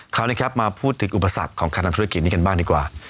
คราวนี้ครับมาพูดถึงอุปสรรคของคณะธุรกิจนี้กันบ้างดีกว่า